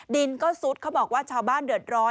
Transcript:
ดินก็ซุดเขาบอกว่าชาวบ้านเดือดร้อน